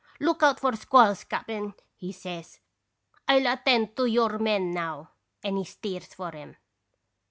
"'Look out for squalls, cap'n!' he says. "I '11 attend ioyour men now.' And he steers for 'em.